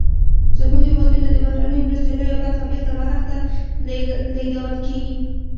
زمونږ هېواد ته د بهرنیو مرستو لویه برخه بیرته بهر ته لیږدول کیږي.